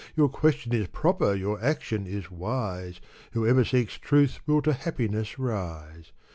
Your question is proper, your action is wise — Whoever seeks truth will to happiness rise.